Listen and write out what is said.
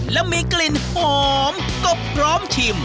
และมีกลิ่นหอมกบพร้อมชิม